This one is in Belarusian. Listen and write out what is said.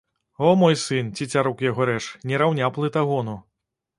О, мой сын, цецярук яго рэж, не раўня плытагону.